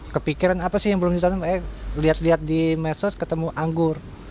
kepikiran apa sih yang belum ditemukan lihat lihat di medsos ketemu anggur